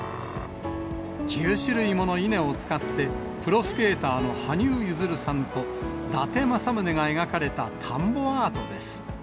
９種類もの稲を使って、プロスケーターの羽生結弦さんと伊達政宗が描かれた田んぼアートです。